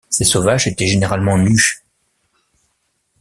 Ces sauvages étaient généralement nus.